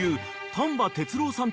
丹波哲郎さん